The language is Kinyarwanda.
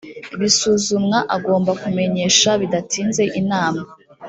bisuzumwa agomba kumenyesha bidatinze inama